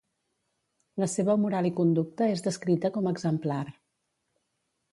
La seva moral i conducta és descrita com exemplar.